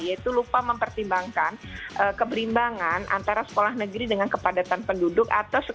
yaitu lupa mempertimbangkan keberimbangan antara sekolah negeri dengan kepadatan penduduk